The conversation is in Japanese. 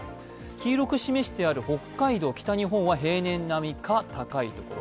黄色く示してある北海道、北日本は平年並みか高いところ。